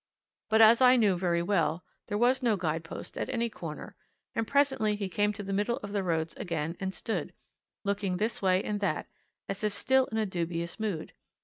But, as I knew very well, there was no guide post at any corner, and presently he came to the middle of the roads again and stood, looking this way and that, as if still in a dubious mood.